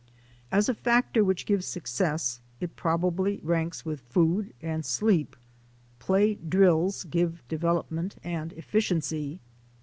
As a factor which gives success, it probably ranks with food and sleep. Play drills give development and efficiency.